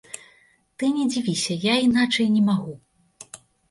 Ты не дзівіся, я іначай не магу.